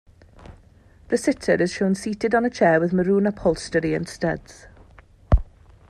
The sitter is shown seated on a chair with maroon upholstery and studs.